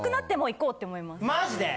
マジで！？